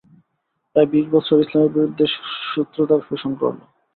প্রায় বিশ বৎসর ইসলামের বিরুদ্ধে শত্রুতা পোষণ করল।